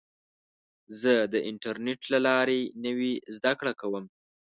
زه د انټرنیټ له لارې نوې زده کړه کوم.